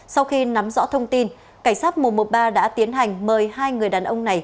sau khi nắm rõ thông tin cảnh sát mùa một ba đã tiến hành mời hai người đàn ông này